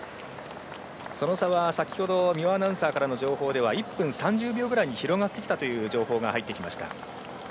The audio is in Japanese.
その差は、先ほどの情報では１分３０秒ぐらいに広がってきたという情報が入ってきました。